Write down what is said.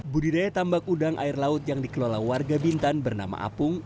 budidaya tambak udang air laut yang dikelola warga bintan bernama apung